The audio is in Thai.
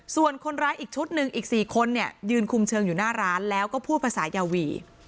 ส่วนคนร้ายอีกชุดหนึ่งอีก๔คนเนี่ยยืนคุมเชิงอยู่หน้าร้านแล้วก็พูดภาษายาวี